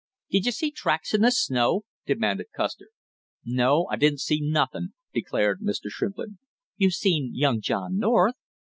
"Did you see tracks in the snow?" demanded Custer. "No, I didn't see nothing," declared Mr. Shrimplin. "You seen young John North."